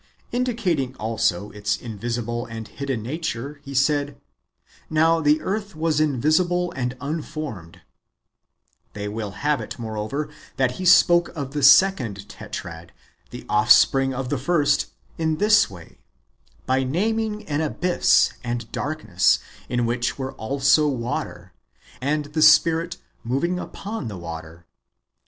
Indicating also its invisible and hidden nature, he said, "Now the earth was invisible and unformed."^ They will have it, moreover, that he spoke of the second Tetrad, the 1 Gen. i. 1. 2 Gen. i. 2. Book i.] IEEN^US AGAINST HERESIES. 75 offspring of the first, in this way — by naming an abyss and darkness, in which were also water, and the Spirit moving npon the water.